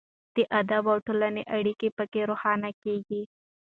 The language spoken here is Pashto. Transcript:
د ادب او ټولنې اړیکه پکې روښانه کیږي.